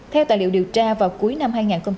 theo tài liệu điều tra vào cuối năm hai nghìn sáu